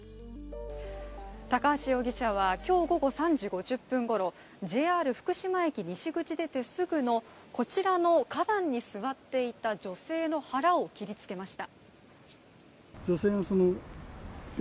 高橋容疑者は今日午後３時５０分ごろ、ＪＲ福島駅西口出てすぐのこちらの花壇に座っていた女性の腹を切りつけました。